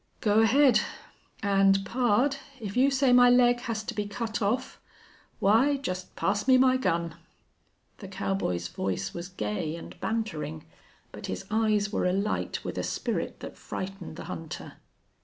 "Go ahead.... And, pard, if you say my leg has to be cut off why just pass me my gun!" The cowboy's voice was gay and bantering, but his eyes were alight with a spirit that frightened the hunter.